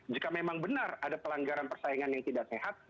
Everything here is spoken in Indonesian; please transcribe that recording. jika memang benar ada pelanggaran persaingan yang tidak sehat